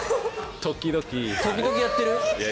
時々やってる？